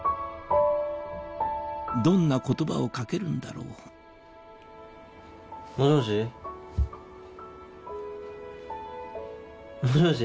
どんな言葉をかけるんだろう？もしもし？もしもし？